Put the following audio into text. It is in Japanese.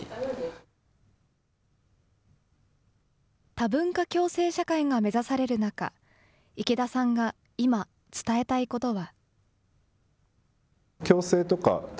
多文化共生社会が目指される中、池田さんが今、伝えたいことは。